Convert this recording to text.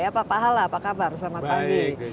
pak hala apa kabar selamat pagi